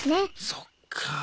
そっか。